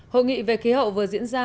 hội nghị về khí hậu vừa diễn ra